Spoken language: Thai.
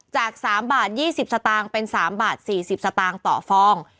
จาก๓บาท๒๐สตางค์เป็น๓บาท๔๐สตางค์ต่อฟอง